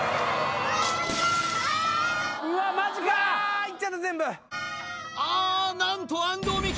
うわっマジかうわいっちゃった全部ああ何と安藤美姫